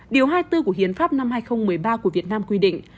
điều hai mươi bốn của hiến pháp năm hai nghìn một mươi ba của việt nam quy định